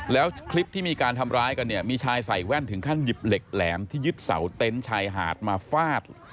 แล้วคลิปที่มีการทำร้ายกันเนี่ยมีชายใส่แว่นถึงขั้นหยิบเหล็กแหลมที่ยึดเสาเต็นต์ชายหาดมาฟาด